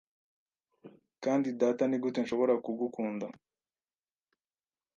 Kandi data nigute nshobora kugukunda